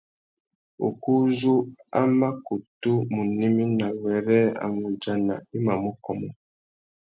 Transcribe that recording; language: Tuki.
Ukú u zú a mà kutu mù néména wêrê a mù udjana i mà mù kômô.